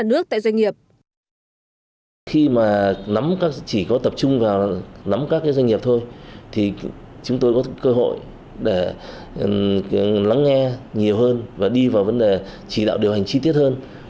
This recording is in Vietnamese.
ủy ban chỉ tập trung vào nắm các doanh nghiệp thôi chúng tôi có cơ hội lắng nghe nhiều hơn và đi vào vấn đề chỉ đạo điều hành chi tiết hơn